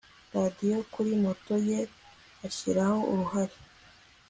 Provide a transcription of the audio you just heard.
radiyo kuri moto ye ashyiraho uruhare